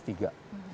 di negara plus tiga